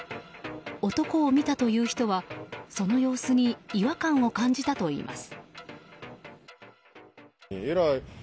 男を見たという人は、その様子に違和感を感じたといいます。